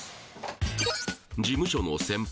事務所の先輩